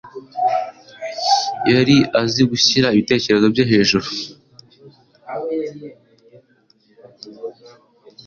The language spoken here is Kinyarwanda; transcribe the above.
Yari azi gushyira ibitekerezo bye hejuru.